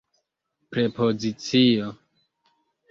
prepozicio